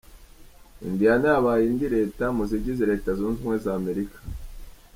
Indiana yabaye indi leta mu zigize leta zunze ubumwe za Amerika.